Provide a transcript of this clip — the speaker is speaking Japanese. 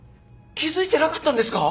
気付いてなかったんですか？